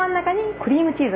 クリームチーズ？